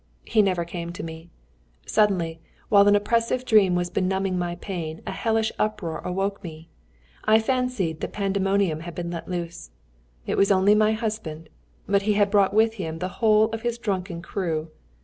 He never came to me. Suddenly, while an oppressive dream was benumbing my pain, a hellish uproar awoke me. I fancied that Pandemonium had been let loose. It was only my husband, but he had brought with him the whole of his drunken crew.